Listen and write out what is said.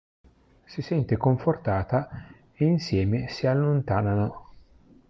Si sente confortata e insieme si allontanano.